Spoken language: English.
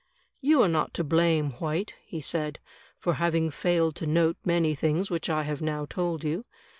"You are not to blame. White," he said, "for having failed to note many things which I have now told you.